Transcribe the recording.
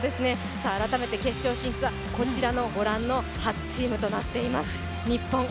改めて決勝進出はご覧の８チームとなっています。